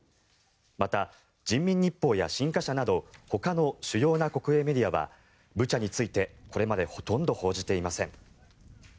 また、人民日報や新華社などほかの主要な国営メディアはブチャについて、これまでほとんど報じていません。